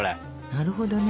なるほどね。